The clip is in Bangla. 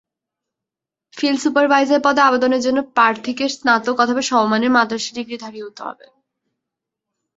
ফিল্ড সুপারভাইজার পদে আবেদনের জন্য প্রার্থীকে স্নাতক অথবা সমমানের মাদ্রাসা ডিগ্রিধারী হতে হবে।